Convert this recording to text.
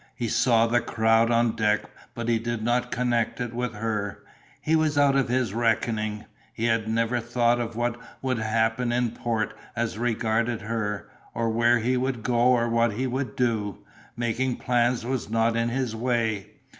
He saw the crowd on deck but he did not connect it with her. He was out of his reckoning. He had never thought of what would happen in port as regarded her, or where he would go or what he would do; making plans was not in his way.